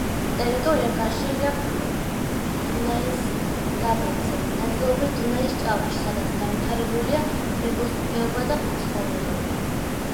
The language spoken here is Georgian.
ტერიტორია გაშლილია ქვემო დუნაის დაბლობზე, ნაწილობრივ დუნაის ჭალაში, სადაც განვითარებულია მებოსტნეობა და მეცხოველეობა.